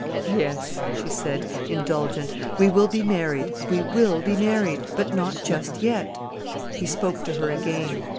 "Yes," she said, indulgent. "We will be married, we will be married. But not just yet." He spoke to her again.